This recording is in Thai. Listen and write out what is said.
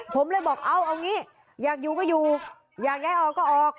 ผมเลยบอกเอางี้อยากอยู่ก็อยู่อยากย้ายออกก็ออก